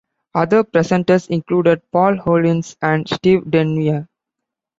Other presenters included Paul Hollins and Steve Denyer.